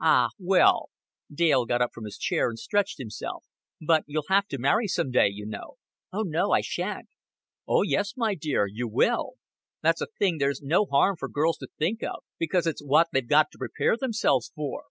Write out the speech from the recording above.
"Ah, well." Dale got up from his chair, and stretched himself. "But you'll have to marry some day, you know." "Oh, no, I shan't." "Oh, yes, my dear, you will. That's a thing there's no harm for girls to think of, because it's what they've got to prepare themselves for."